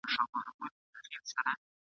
نور یې نسته زور د چا د ښکارولو !.